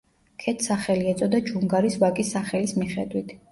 ქედს სახელი ეწოდა ჯუნგარის ვაკის სახელის მიხედვით.